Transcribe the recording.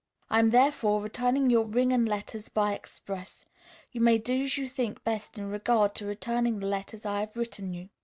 I am therefore returning your ring and letters by express. You may do as you think best in regard to returning the letters I have written you.